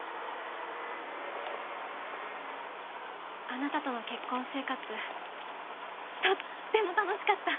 あなたとの結婚生活とっても楽しかった。